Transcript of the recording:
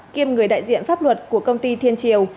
kiêm người đại diện pháp luật của công ty thiên triều